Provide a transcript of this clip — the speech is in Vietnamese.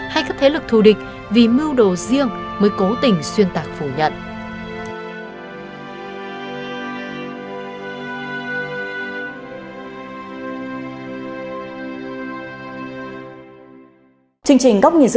hay các thế lực thù địch vì mưu đồ riêng mới cố tình xuyên tạc phủ nhận